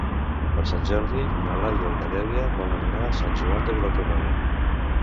Per Sant Jordi na Laia i na Dèlia voldrien anar a Sant Joan de Vilatorrada.